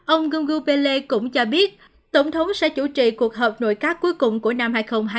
ông gumbele cũng cho biết tổng thống sẽ chủ trị cuộc họp nội các cuối cùng của năm hai nghìn hai mươi một